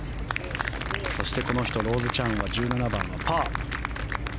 そしてローズ・チャンは１７番、パー。